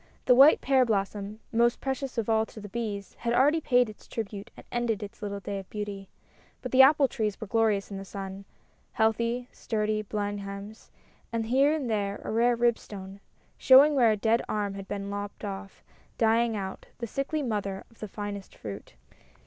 The white pear blossom, most precious of all to the bees, had already paid its tribute and ended its little day of beauty. But the apple trees were glorious in the sun heal thy, sturdy Blenheims, and here and there a rare Ribstone, showing where a dead arm had been lopped off, dying out, the sickly mother of the finest fruit.